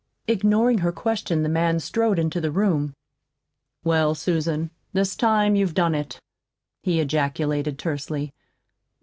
Ignoring her question the man strode into the room. "Well, Susan, this time you've done it," he ejaculated tersely.